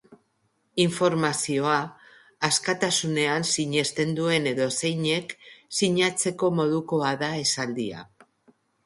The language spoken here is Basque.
Informazioa askatasunean sinesten duen edozeinek sinatzeko modukoa da esaldia.